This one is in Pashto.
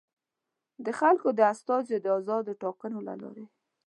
د خلکو د استازیو د ازادو ټاکنو له لارې.